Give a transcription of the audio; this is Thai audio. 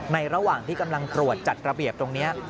ระหว่างที่กำลังตรวจจัดระเบียบตรงนี้